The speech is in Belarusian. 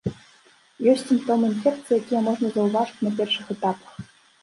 Ёсць сімптомы інфекцый, якія можна заўважыць на першых этапах.